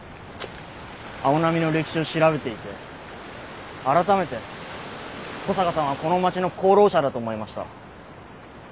青波の歴史を調べていて改めて保坂さんはこの町の功労者だと思いました。